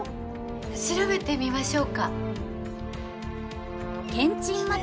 調べてみましょうか。